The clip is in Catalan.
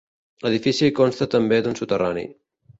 L'edifici consta també d'un soterrani.